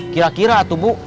kira kira tuh bu